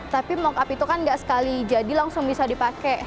tapi mock up itu kan gak sekali jadi langsung bisa dipakai